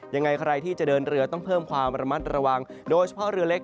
ยังไงใครที่จะเดินเรือต้องเพิ่มความระมัดระวังโดยเฉพาะเรือเล็ก